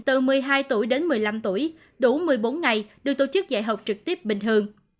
từ một mươi hai tuổi đến một mươi năm tuổi đủ một mươi bốn ngày được tổ chức dạy học trực tiếp bình hơn